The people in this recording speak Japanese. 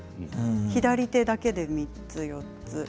左手だけで、３つ４つ。